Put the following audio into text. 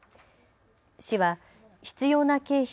市は必要な経費